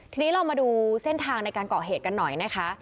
ทีนี้เรามาดูเส้นทางในการเกาะเหตุกันหน่อยนะคะ